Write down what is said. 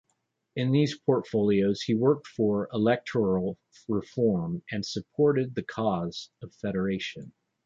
In these portfolios he worked for electoral reform and supported the cause of Federation.